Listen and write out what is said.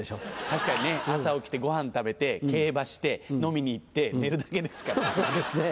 確かにね朝起きてごはん食べて競馬して飲みに行って寝るだけですからね。